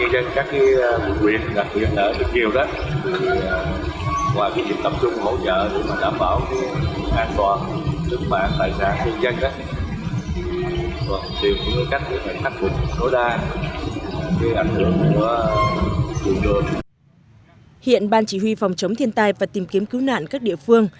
để hạn chế văn phòng ban chỉ huy phòng chống thiên tai và tìm kiếm cứu nạn các địa phương